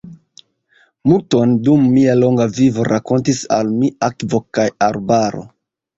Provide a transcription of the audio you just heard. Multon dum mia longa vivo rakontis al mi akvo kaj arbaro!